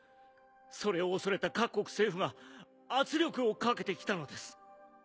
それを恐れた各国政府が圧力をかけて来たのです。